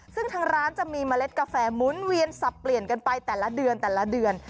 ซึ่งทั้งร้านจะมีเมล็ดกาแฟหมุนเวียนสับเปลี่ยนกันไปแต่ละเดือน